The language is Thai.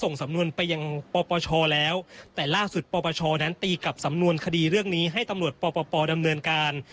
สำนวนไปยังปปชแล้วแต่ล่าสุดปปชนั้นตีกับสำนวนคดีเรื่องนี้ให้ตำรวจปปดำเนินการ